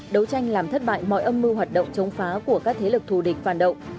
đấu tranh làm thất bại mọi âm mưu hoạt động chống phá của các thế lực thù địch phản động